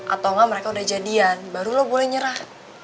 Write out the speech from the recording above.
atau enggak mereka udah jadian baru lo boleh nyerah